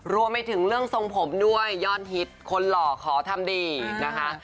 รวมไปถึงเรื่องทรงผมด้วยยอดฮิตคนหล่อขอทำดีนะคะ